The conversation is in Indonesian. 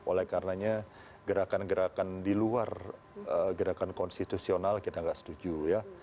oleh karenanya gerakan gerakan di luar gerakan konstitusional kita nggak setuju ya